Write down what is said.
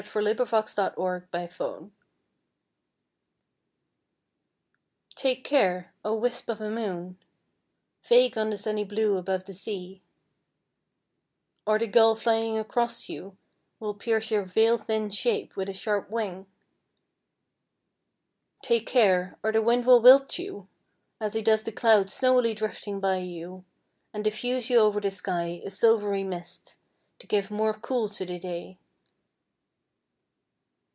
TO THE AFTERNOON MOON, AT SEA Take care, O wisp of a moon, Vague on the sunny blue above the sea, Or the gull flying across you Will pierce your veil thin shape with a sharp wing! Take care, or the wind will wilt you, As he does the clouds snowily drifting by you, And diffuse you over the sky, a silvery mist, To give more cool to the day!